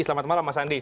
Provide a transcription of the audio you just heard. selamat malam mas andi